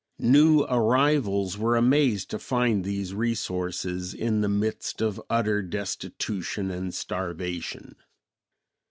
New arrivals were amazed to find these resources in the midst of utter destitution and starvation.